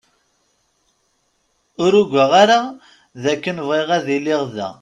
Ur ugaɣ ara dakken bɣiɣ ad iliɣ da.